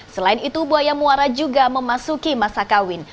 selain itu buaya muara juga memasuki masa kawin